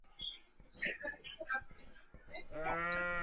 平果内溪蟹为溪蟹科内溪蟹属的动物。